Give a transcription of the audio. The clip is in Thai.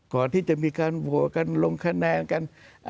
ก่อนที่จะมีการโหวตกันลงคะแนนกัน